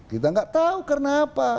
kita tidak tahu kenapa